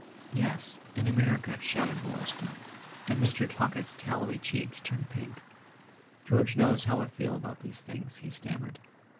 "Yes—in America!" shouted Boylston; and Mr. Talkett's tallowy cheeks turned pink. "George knows how I feel about these things," he stammered.